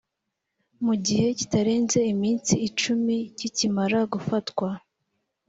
mu gihe kitarenze iminsi icumi kikimara gufatwa